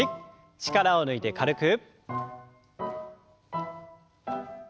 力を抜いて軽く。